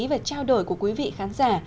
và trao đổi của quý vị khán giả